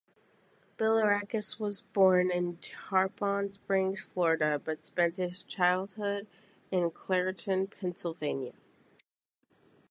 Bilirakis was born in Tarpon Springs, Florida but spent his childhood in Clairton, Pennsylvania.